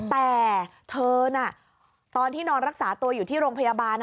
แต่เธอน่ะตอนที่นอนรักษาตัวอยู่ที่โรงพยาบาล